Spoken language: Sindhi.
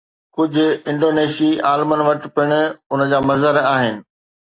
ڪجهه انڊونيشي عالمن وٽ پڻ ان جا مظهر آهن.